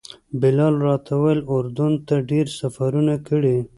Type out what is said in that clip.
بلال راته وویل اردن ته ډېر سفرونه کړي.